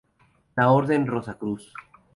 La Orden Rosacruz.